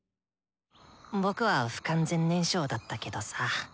僕は不完全燃焼だったけどさ。